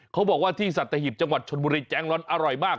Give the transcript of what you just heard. เขาบอกว่าที่สัตหิบจังหวัดชนบุรีแจงร้อนอร่อยมาก